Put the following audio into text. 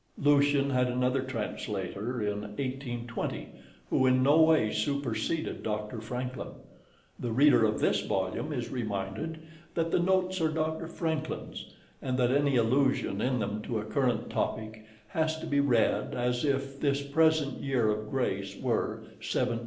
Lucian had another translator in 1820, who in no way superseded Dr. Francklin. The reader of this volume is reminded that the notes are Dr. Francklin's, and that any allusion in them to a current topic, has to be read as if this present year of grace were 1780. H.